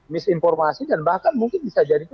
misinformasi dan bahkan mungkin bisa jadi